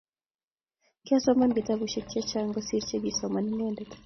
Kiasoman kitabushek che chang kosoir che kisoman inendet